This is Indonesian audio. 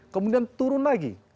kemudian turun lagi